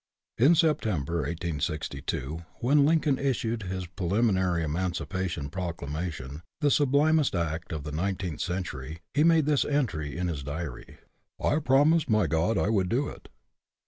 In September, 1862, when Lincoln issued his preliminary emancipation proclamation, the sublimest act of the nineteenth century, he made this entry in his diary " I promised my God I would do it."